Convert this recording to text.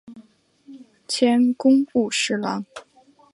迁工部侍郎。